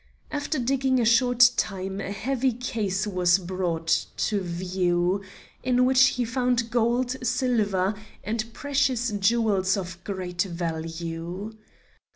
After digging a short time a heavy case was brought to view, in which he found gold, silver, and precious jewels of great value.